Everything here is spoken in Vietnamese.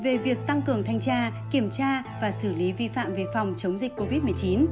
về việc tăng cường thanh tra kiểm tra và xử lý vi phạm về phòng chống dịch covid một mươi chín